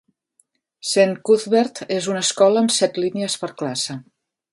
Saint Cuthbert és una escola amb set línies per classe.